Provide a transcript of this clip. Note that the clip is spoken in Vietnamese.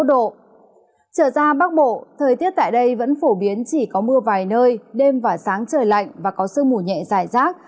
trở ra bắc bộ thời tiết tại đây vẫn phổ biến chỉ có mưa vài nơi đêm và sáng trời lạnh và có sương mù nhẹ dài rác